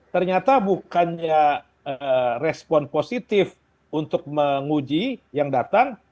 ternyata bukannya respon positif untuk menguji yang datang